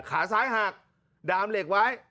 ขาซ้ายหักดามเหล็กไว้